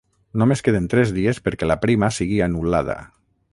Només queden tres dies perquè la prima sigui anul·lada.